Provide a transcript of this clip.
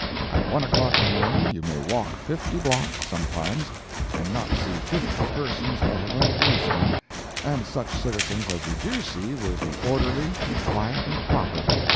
At one o'clock in the morning you may walk fifty blocks, sometimes, and not see fifty persons other than policemen—and such citizens as you do see will be orderly, and quiet and proper.